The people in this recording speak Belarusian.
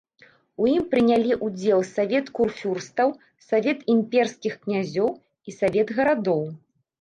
У ім прынялі ўдзел савет курфюрстаў, савет імперскіх князёў і савет гарадоў.